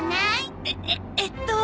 ええっと。